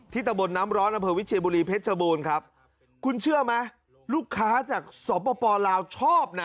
ที่ตะบนน้ำร้อนอเผลวิเชียบุรีเพชรโบนครับคุณเชื่อไหมลูกค้าจากสอบป่อป่อลาวชอบน่ะ